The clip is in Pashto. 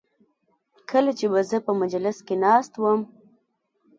کله چې به زه په مجلس کې ناست وم.